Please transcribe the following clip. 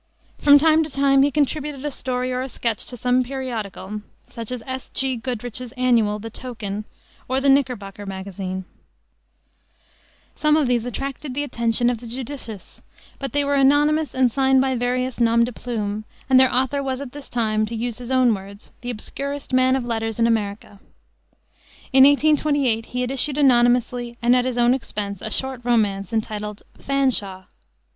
From time to time he contributed a story or a sketch to some periodical, such as S. G. Goodrich's Annual, the Token, or the Knickerbocker Magazine. Some of these attracted the attention of the judicious; but they were anonymous and signed by various noms de plume, and their author was at this time to use his own words "the obscurest man of letters in America." In 1828 he had issued anonymously and at his own expense a short romance, entitled Fanshawe.